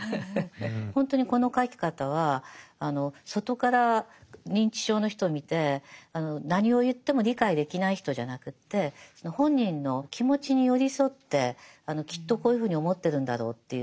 ほんとにこの書き方は外から認知症の人を見て何を言っても理解できない人じゃなくって本人の気持ちに寄り添ってきっとこういうふうに思ってるんだろうっていう